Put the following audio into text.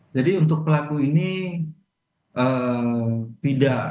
jadi untuk pelaku ini tidak